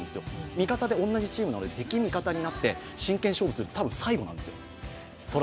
味方で同じチームなので、敵・味方になって真剣勝負する、多分、最後なんです。